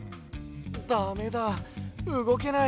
だめだうごけない。